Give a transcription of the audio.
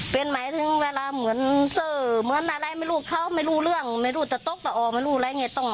เป็นหมายถึงเวลาเหมือนเซอร์เหมือนอะไรไม่รู้เขาไม่รู้เรื่องไม่รู้จะตกจะออกไม่รู้อะไรไง